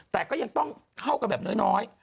แต่ก็ยังต้องเข้ากันแบบน้อย